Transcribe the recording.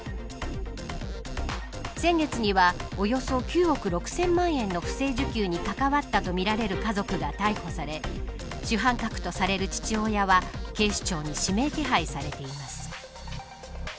先月にはおよそ９億６０００万円の不正受給に関わったとみられる家族が逮捕され主犯格とされる父親は警視庁に指名手配されています。